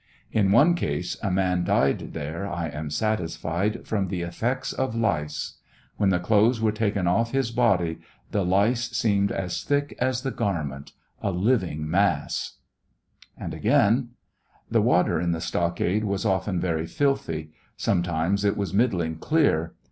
In one case a man died there, I am satisfied, from the effects of lice. When the clothes were taken off his body, the lice seemed as thick as the garment — a living mass. Again : The water in the stockade was often very filthy ; sometimes it was middling clear.